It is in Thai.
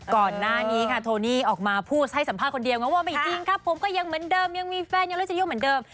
ก่อนหน้านี้ค่ะโทนี่ออกมาพูดให้สัมภาษณ์คนเดียวไงว่าไม่จริงครับผมก็ยังเหมือนเดิมยังมีแฟนยังรู้สึกเหมือนเดิม